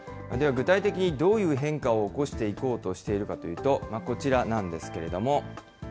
具体的にどういう変化を起こしていこうとしているかというと、こちらなんですけれども。